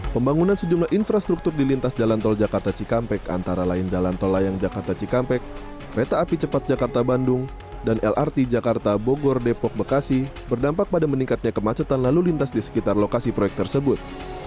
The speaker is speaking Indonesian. pembangunan sejumlah infrastruktur di lintas jalan tol jakarta cikampek antara lain jalan tol layang jakarta cikampek kereta api cepat jakarta bandung dan lrt jakarta bogor depok bekasi berdampak pada meningkatnya kemacetan lalu lintas di sekitar lokasi proyek tersebut